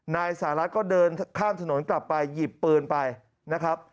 นายสหรัฐก็เดินข้ามถนนกลับไปหยิบปืนไปนะครับ